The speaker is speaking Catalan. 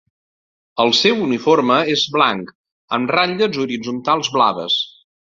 El seu uniforme és blanc amb ratlles horitzontals blaves.